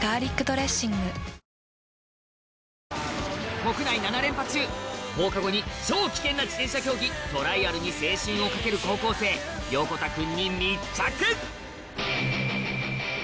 国内７連覇中放課後に超危険な自転車競技トライアルに青春を懸ける高校生横田君に密着！